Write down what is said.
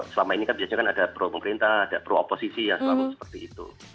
selama ini kan biasanya kan ada pro pemerintah ada pro oposisi yang selalu seperti itu